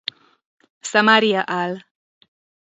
Samaria al.